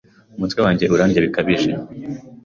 Umutwe wanjye urandya bikabije